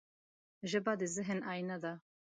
ژبه د ذهن آینه ده